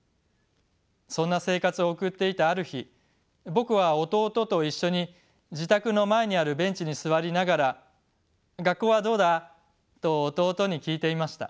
そんな生活を送っていたある日僕は弟と一緒に自宅の前にあるベンチに座りながら「学校はどうだ？」と弟に聞いていました。